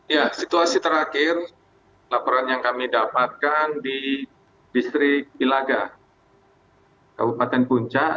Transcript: ya situasi terakhir laporan yang kami dapatkan di distrik ilaga kabupaten puncak